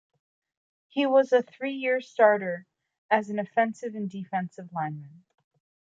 He was a three-year starter as an offensive and defensive lineman.